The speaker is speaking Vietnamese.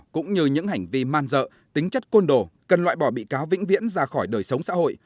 cũng như những hành vi man dợ tính chất côn đồ cần loại bỏ bị cáo vĩnh viễn ra khỏi đời sống xã hội